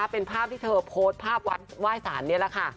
เป็นภาพที่เธอโพสต์ภาพวัดไหว้สารนี่แหละค่ะ